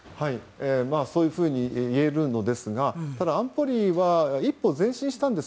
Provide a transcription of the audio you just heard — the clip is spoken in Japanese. そういえるのですがただ、安保理は一歩前進したんです。